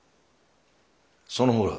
その方ら